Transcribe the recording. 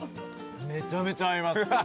めちゃめちゃ合います。